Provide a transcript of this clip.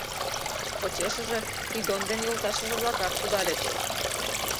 Почешыже Придон ден йолташыже-влакат кудальыч.